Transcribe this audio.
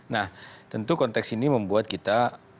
nah tentu konteks ini membuat kita